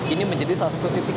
ini menjadi salah satu titik